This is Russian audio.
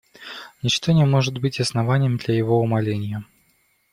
Ничто не может быть основанием для его умаления.